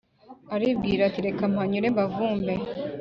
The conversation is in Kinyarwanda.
alibwira ati reka mpanyure mbavumbe